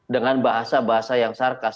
dengan bahasa bahasa yang sarkas